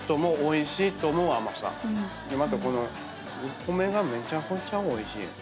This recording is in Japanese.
またこのお米がめちゃくちゃおいしい。